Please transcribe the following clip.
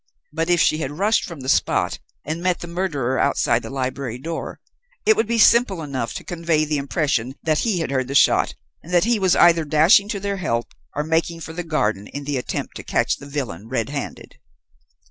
But, if she had rushed from the spot and met the murderer outside the library door, it would be simple enough to convey the impression that he had heard the shot, and that he was either dashing to their help, or making for the garden in the attempt to catch the villain red handed.